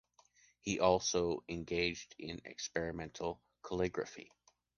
He also engaged in experimental calligraphy.